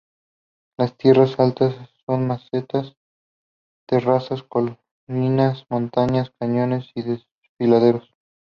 Las tierras altas son mesetas, terrazas, colinas, montañas, cañones y desfiladeros.